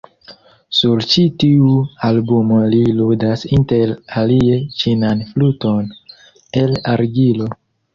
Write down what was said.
Sur ĉi tiu albumo li ludas inter alie ĉinan fluton el argilo.